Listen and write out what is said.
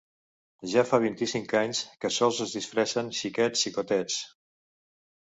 Ja fa vint-i-cinc anys que sols es disfressen xiquets xicotets.